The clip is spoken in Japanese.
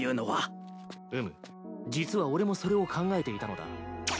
うむ実は俺もそれを考えていたのだ。